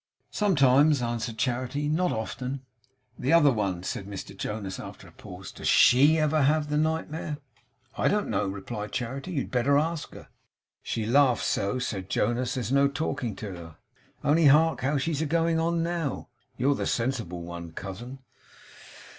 'Sometimes,' answered Charity. 'Not often.' 'The other one,' said Mr Jonas, after a pause. 'Does SHE ever have the nightmare?' 'I don't know,' replied Charity. 'You had better ask her.' 'She laughs so,' said Jonas; 'there's no talking to her. Only hark how she's a going on now! You're the sensible one, cousin!